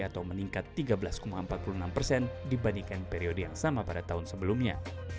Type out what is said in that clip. atau meningkat tiga belas empat puluh enam persen dibandingkan periode yang sama pada tahun sebelumnya